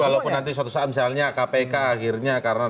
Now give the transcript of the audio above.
jadi walaupun nanti suatu saat misalnya kpk akhirnya